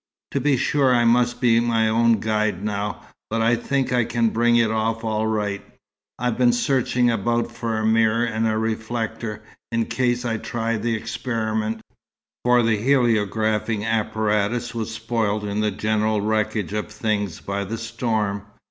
To be sure, I must be my own guide now, but I think I can bring it off all right. I've been searching about for a mirror and reflector, in case I try the experiment; for the heliographing apparatus was spoilt in the general wreckage of things by the storm.